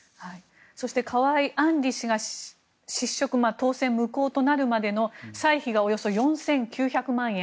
そして、河井案里氏が失職、当選無効となるまでの歳費がおよそ４９００万円。